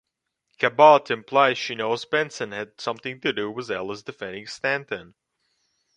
Cabot implies she knows Benson had something to do with Ellis defending Stanton.